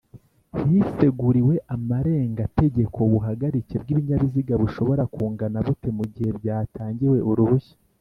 hiseguriwe amarengategeko Ubuhagarike bw’ibinyabiziga bushobora kungana bute mugihe byatangiwe Uruhushya